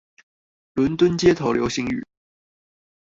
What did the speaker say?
倫敦街頭流行語